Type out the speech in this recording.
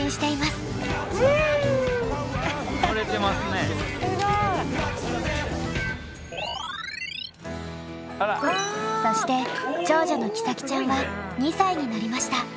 すごい！そして長女の希咲ちゃんは２歳になりました。